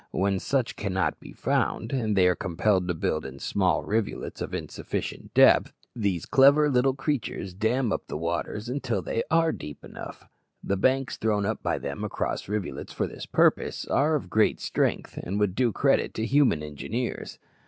When such cannot be found, and they are compelled to build in small rivulets of insufficient depth, these clever little creatures dam up the waters until they are deep enough. The banks thrown up by them across rivulets for this purpose are of great strength, and would do credit to human engineers.